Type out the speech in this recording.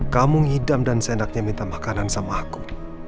kamu ngidam dan seenaknya minta makanan sama aku